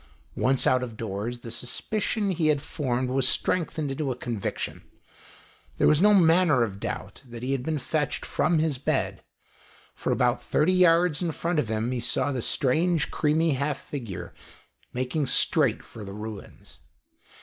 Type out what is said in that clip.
Once out of doors, the suspicion he had formed was strengthened into a conviction. There was no manner of doubt that he had been fetched from his bed; for about 30 yards in front of him he saw the strange creamy half figure making straight for the ruins.